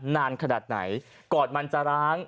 นานขนาดไหนก่อนมันจะร้าง